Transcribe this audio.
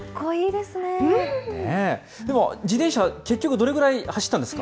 でも、自転車、結局どれぐらい走ったんですか？